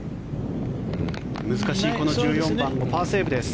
難しいこの１４番をパーセーブです。